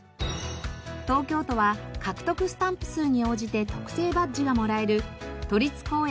東京都は獲得スタンプ数に応じて特製バッジがもらえる都立公園